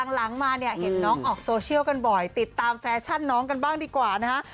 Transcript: หลังมาเนี่ยเห็นน้องออกโซเชียลกันบ่อยติดตามแฟชั่นน้องกันบ้างดีกว่านะฮะ